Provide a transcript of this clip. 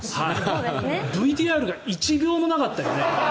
ＶＴＲが１秒もなかったよね？